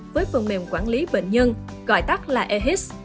với phần mềm quản lý bệnh nhân gọi tắt là ehis